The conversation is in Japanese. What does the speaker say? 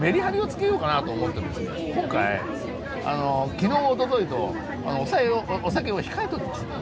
昨日おとといとお酒を控えておりました。